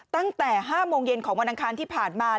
ตั้งแต่๕โมงเย็นของวันอังคารที่ผ่านมา